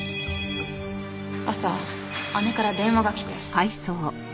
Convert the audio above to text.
朝姉から電話が来て。